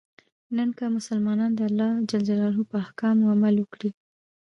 نن که مسلمانان د الله ج په احکامو عمل وکړي.